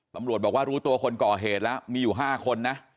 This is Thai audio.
ตำรวจบอกว่ารู้ตัวคนก่อเหตุแล้วมีอยู่๕คนนะ